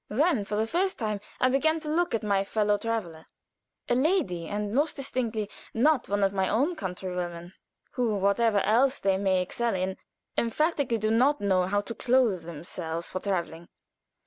Then for the first time I began to look at my fellow traveler; a lady, and most distinctly not one of my own countrywomen, who, whatever else they may excel in, emphatically do not know how to clothe themselves for traveling.